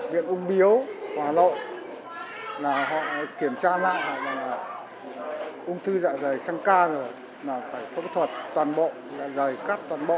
viện ung biếu hà nội kiểm tra lại là ung thư dạ dày sang ca rồi phải phẫu thuật toàn bộ dày cắt toàn bộ